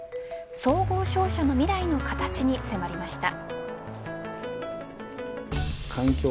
総合商社の未来の形に迫りました。